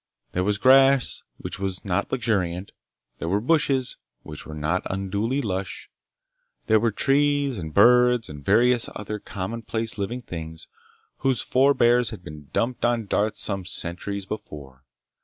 There was grass, which was not luxuriant. There were bushes, which were not unduly lush. There were trees, and birds, and various other commonplace living things whose forebears had been dumped on Darth some centuries before.